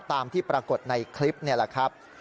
ตามที่ปรากฏในคลิปนี่แหละครับ